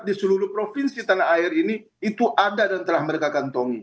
di seluruh provinsi tanah air ini itu ada dan telah mereka kantongi